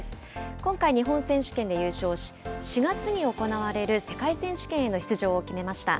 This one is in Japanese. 今回、日本選手権で優勝し、４月に行われる世界選手権への出場を決めました。